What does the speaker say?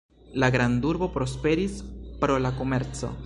La grandurbo prosperis pro la komerco.